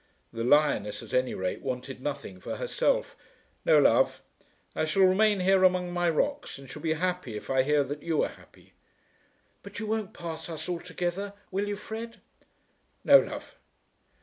The lioness at any rate wanted nothing for herself. "No, love. I shall remain here among my rocks, and shall be happy if I hear that you are happy." "But you won't part us altogether, will you, Fred?" "No, love."